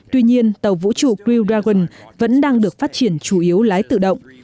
tuy nhiên tàu vũ trụ crew dragon vẫn đang được phát triển chủ yếu lái tự động